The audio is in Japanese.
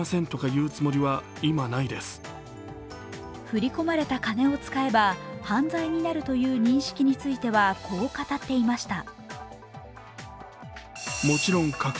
振り込まれた金を使えば犯罪になるという認識についてはこう語っていました。